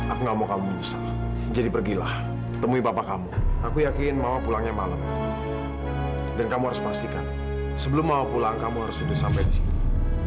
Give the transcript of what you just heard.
aku gak mau kamu menyesal jadi pergilah temui papa kamu aku yakin mama pulangnya malam dan kamu harus pastikan sebelum mama pulang kamu harus duduk sampai disini